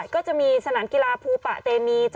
กล้องกว้างอย่างเดียว